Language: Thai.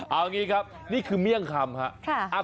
เอางี้ครับนี่คือเมี่ยงคำครับ